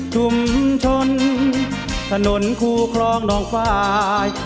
ชุมชนถนนคู่คลองหนองฟ้าย